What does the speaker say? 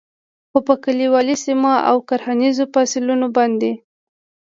خو په کلیوالي سیمو او کرهنیزو فصلونو باندې